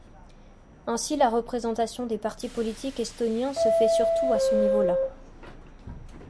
Ainsi, la représentation des partis politiques estoniens se fait surtout à ce niveau-là.